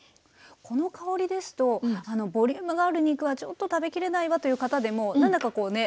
この香りですとボリュームがある肉はちょっと食べきれないわという方でも何だかこうね